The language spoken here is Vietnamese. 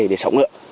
để sống nữa